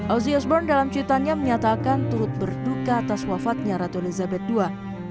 ozzy osbourne dalam ceritanya menyatakan turut berduka atas wafatnya ratu elizabeth ii